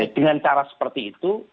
dengan cara seperti itu